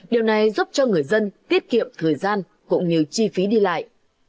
điều này giúp cho người dân tiết kiệm thời gian cũng như chi phí đi lại